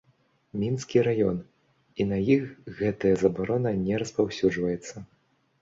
Мінскі раён, і на іх гэтая забарона не распаўсюджваецца.